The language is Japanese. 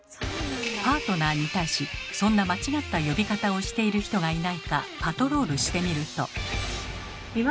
パートナーに対しそんな間違った呼び方をしている人がいないかパトロールしてみると。